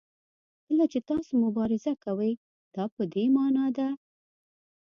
کله چې تاسو مبارزه کوئ دا په دې معنا ده.